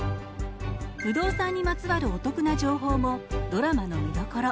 不動産にまつわるお得な情報もドラマの見どころ。